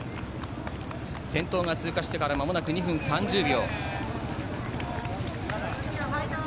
先頭が通過してから２分３０秒。